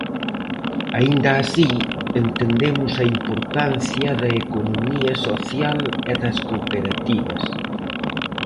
Aínda así, entendemos a importancia da economía social e das cooperativas.